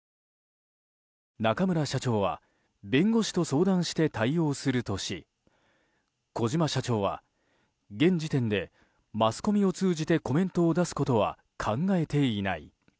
中村社長は弁護士と相談して対応するとし、小島社長は現時点でマスコミを通じてコメントを出すことは考えていない。